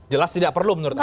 jelas tidak perlu menurut anda